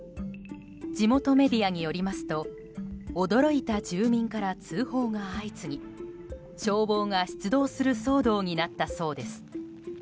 地元メディアによりますと驚いた住民から通報が相次ぎ消防が出動する騒動になったそうです。